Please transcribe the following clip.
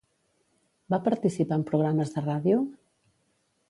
Va participar en programes de ràdio?